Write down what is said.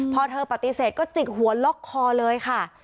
พอเธอปฏิเสธก็จิกหัวล็อกคอเลยค่ะ